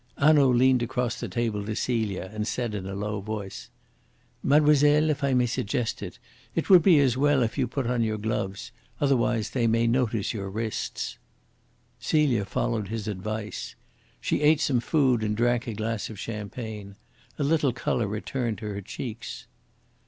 Hanaud leaned across the table to Celia and said in a low voice: "Mademoiselle, if I may suggest it, it would be as well if you put on your gloves; otherwise they may notice your wrists." Celia followed his advice. She ate some food and drank a glass of champagne. A little colour returned to her cheeks.